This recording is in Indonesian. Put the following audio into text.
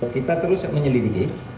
kita terus menyelidiki